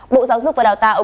bộ giáo dục và đào tạo